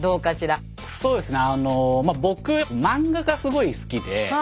そうですね